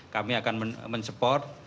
kami akan men support